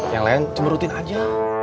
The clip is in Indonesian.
yang lain cuma rutin aja